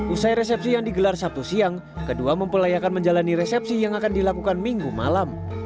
usai resepsi yang digelar sabtu siang kedua mempelai akan menjalani resepsi yang akan dilakukan minggu malam